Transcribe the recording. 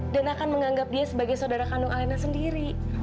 dan akan menganggap dia sebagai saudara kandung alena sendiri